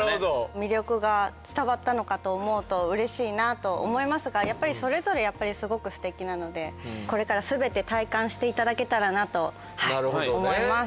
魅力が伝わったのかと思うとうれしいなと思いますがやっぱりそれぞれすごくすてきなのでこれからすべて体感していただけたらなと思います